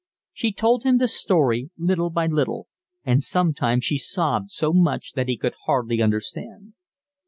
She told him the story little by little, and sometimes she sobbed so much that he could hardly understand.